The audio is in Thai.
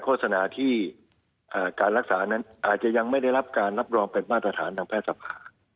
โศนาที่การรักษานั้นอาจจะยังไม่ได้รับการรับรองเป็นมาตรฐานทางแพทย์สภา